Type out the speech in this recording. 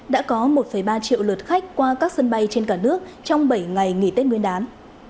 đã có một ba triệu lượt khách qua các sân bay trên cả nước trong bảy ngày nghỉ tết nguyên đán